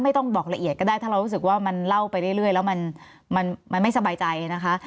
ต้องบอกละเอียดก็ได้ถ้าเรารู้สึกว่ามันเล่าไปเรื่อยแล้วมันไม่สบายใจนะคะ